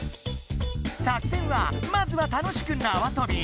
作戦はまずは楽しくなわとび。